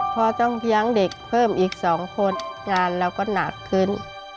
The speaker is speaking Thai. พ่อต้องเลี้ยงเด็กเพิ่มอีก๒คนงานเราก็หนักขึ้น